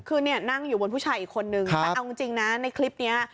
คือเนี่ยนั่งอยู่บนผู้ชายอีกคนนึงแต่เอาจริงนะในคลิปนี้